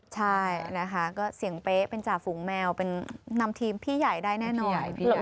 ใช่นะคะก็เสียงเป๊ะเป็นจ่าฝูงแมวเป็นนำทีมพี่ใหญ่ได้แน่นอน